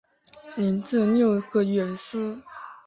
零至六个月之